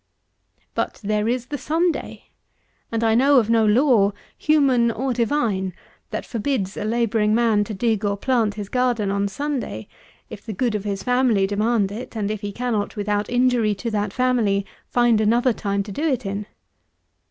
But there is the Sunday; and I know of no law, human or divine, that forbids a labouring man to dig or plant his garden on Sunday, if the good of his family demand it; and if he cannot, without injury to that family, find other time to do it in.